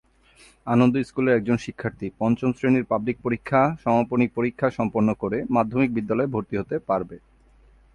আনন্দ স্কুলের একজন শিক্ষার্থী পঞ্চম শ্রেণীর পাবলিক পরীক্ষা সমাপনী পরীক্ষা সম্পন্ন করে মাধ্যমিক বিদ্যালয়ে ভর্তি হতে পারবে।